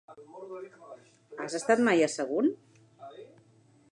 Has estat mai a Sagunt?